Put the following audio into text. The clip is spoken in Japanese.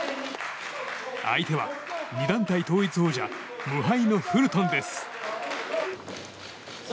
相手は２団体統一王者無敗のフルトンです。